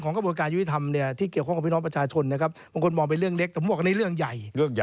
อันนี้ระบบการยกย้าแก่งตั้งเนี่ยนะ